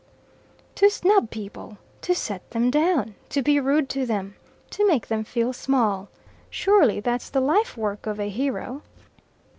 "To snub people! to set them down! to be rude to them! to make them feel small! Surely that's the lifework of a hero?"